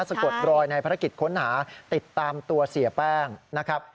สะกดรอยในภารกิจค้นหาติดตามตัวเสียแป้งนะครับ